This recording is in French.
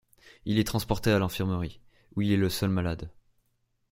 Il est transporté à l'infirmerie, où il est le seul malade.